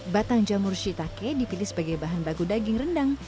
batang jamur shitake dipilih sebagai bahan baku daging rendang